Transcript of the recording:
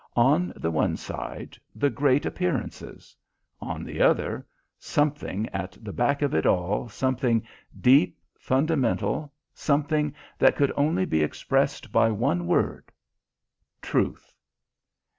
On the one side, the great appearances; on the other, something at the back of it all, something deep, fundamental, something that could only be expressed by one word truth.